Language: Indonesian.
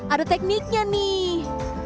ada tekniknya nih